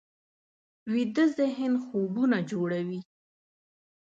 ویده ذهن خوبونه جوړوي